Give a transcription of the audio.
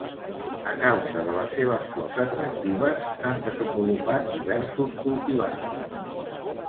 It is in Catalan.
A causa de les seves flors atractives, s'han desenvolupat diversos cultivars.